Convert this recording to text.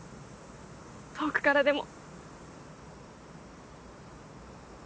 遠くからでも。